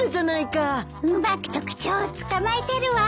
うまく特徴をつかまえてるわ。